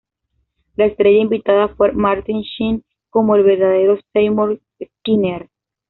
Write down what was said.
La estrella invitada fue Martin Sheen como el verdadero Seymour Skinner.